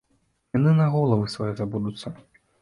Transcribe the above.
Яны на галовы свае забудуцца.